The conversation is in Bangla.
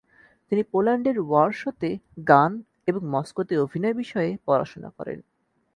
তিনি পোল্যান্ডের ওয়ারশতে গান এবং মস্কোতে অভিনয় বিষয়ে পড়াশোনা করেন।